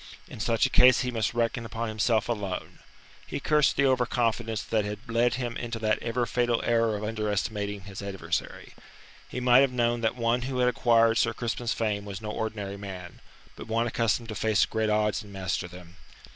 In such a case he must reckon upon himself alone. He cursed the over confidence that had led him into that ever fatal error of underestimating his adversary. He might have known that one who had acquired Sir Crispin's fame was no ordinary man, but one accustomed to face great odds and master them.